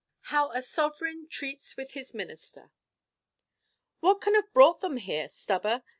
HOW A SOVEREIGN TREATS WITH HIS MINISTER "What can have brought them here, Stubber?"